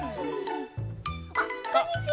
あっこんにちは！